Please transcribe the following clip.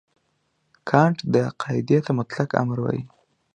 کانټ دې قاعدې ته مطلق امر وايي.